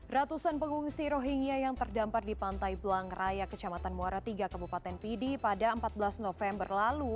ratusan pengungsi rohingya yang terdampar di pantai belang raya kecamatan muara tiga kabupaten pidi pada empat belas november lalu